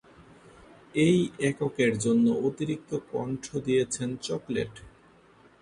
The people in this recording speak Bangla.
এই এককের জন্য অতিরিক্ত কণ্ঠ দিয়েছিলেন চকলেট।